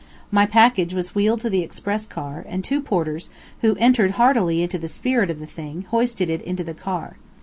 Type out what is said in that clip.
My package was wheeled to the express car, and two porters, who entered heartily into the spirit of the thing, hoisted it into the car.